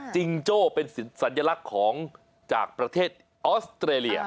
จิงโจ้เป็นสัญลักษณ์ของจากประเทศออสเตรเลีย